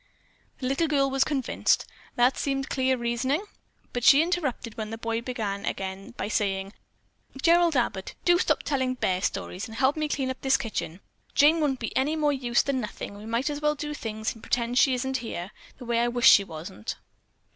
The little girl was convinced. That seemed clear reasoning, but she interrupted when the boy began again, by saying: "Gerald Abbott, do stop telling bear stories, and help me clean up this kitchen. Jane won't be any more use than nothing and we might as well do things and pretend she isn't here, the way I wish she wasn't."